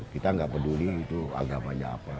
kita nggak peduli itu agamanya apa